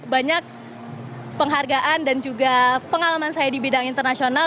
banyak penghargaan dan juga pengalaman saya di bidang internasional